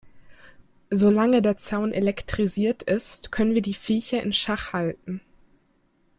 Solange der Zaun elektrisiert ist, können wir die Viecher in Schach halten.